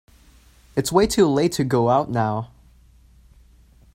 It's way too late to go out now.